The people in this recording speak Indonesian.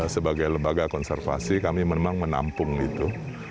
sebagai lembaga konservasi kami memang menampung itu